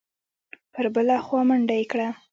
پر بله خوا منډه یې کړه.